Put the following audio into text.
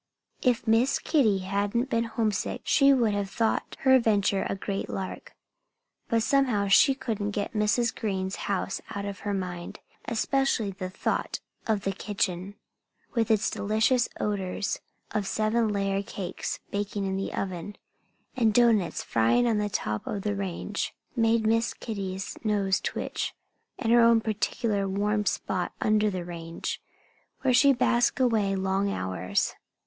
If Miss Kitty hadn't been homesick she would have thought her adventure a great lark. But somehow she couldn't get Mrs. Green's house out of her mind. Especially the thought of the kitchen, with its delicious odors of seven layer cakes baking in the oven, and doughnuts frying on top of the range, made Miss Kitty's nose twitch. And her own particular warm spot under the range, where she basked away long hours!